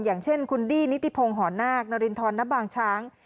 อย่างเช่นคุณดี้นิติพงศ์หอนาคนรินทรณบางช้าง